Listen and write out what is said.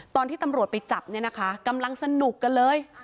ตอนที่ตำรวจไปจับเนี่ยนะคะกำลังสนุกกันเลย